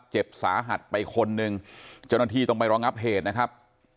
เจ็บสาหัสไปคนหนึ่งเจ้าหน้าที่ต้องไปรองับเหตุนะครับ